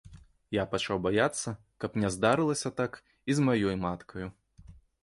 Я пачаў баяцца, каб не здарылася так і з маёю маткаю.